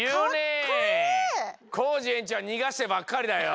コージえんちょうはにがしてばっかりだよ！